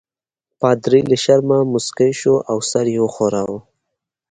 پادري له شرمه مسکی شو او سر یې وښوراوه.